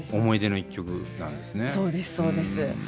思い出の一曲なんですね。